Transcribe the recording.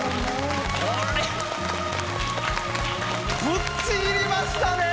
ぶっちぎりましたね！